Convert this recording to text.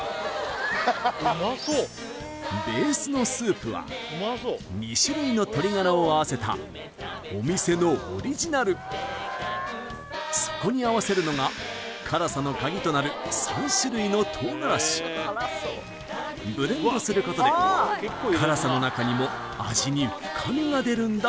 ハッハッハベースのスープは２種類の鶏ガラを合わせたお店のオリジナルそこに合わせるのが辛さのカギとなるブレンドすることで辛さの中にも味に深みが出るんだ